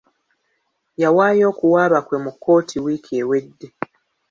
Yawaayo okuwaaba kwe mu kkooti wiiki ewedde.